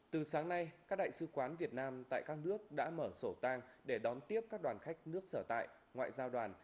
từ sáng nay các đại sứ quán việt nam tại các nước đã mở sổ tang để đón tiếp các đoàn khách nước sở tại ngoại giao đoàn